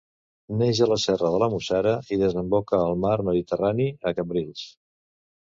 Neix a la serra de la Mussara i desemboca al mar Mediterrani, a Cambrils.